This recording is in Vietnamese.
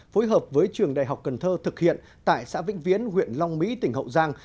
phối hợp với trường đại học cần thơ thực hiện tại xã vĩnh viễn huyện long mỹ tỉnh hậu giang